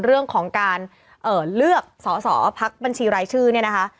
เรื่องของการเลือกสอสอพักบัญชีรายชื่อเนี่ยนะคะ